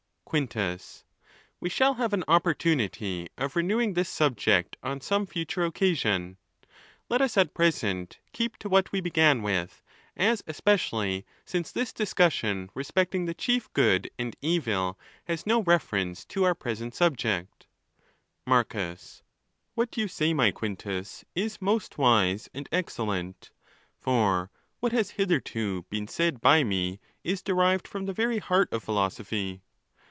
Quintus.—We shall have an meper eas of set this A424 ON THE LAWS. subject on some future occasion ; let us at present keep to what we began with, as especially since this discussion re specting the chief good and evil has no reference to our present subject. Marcus.—What you say, my Quintus, is most wise and excellent, for what has hitherto been said by me' is derived from the very heart of philosophy.